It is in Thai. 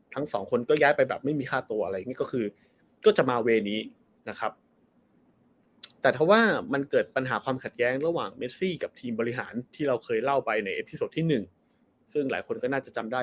ทั้งสองคนก็แยกไปแบบไม่มีค่าตัวอะไรอย่างนี้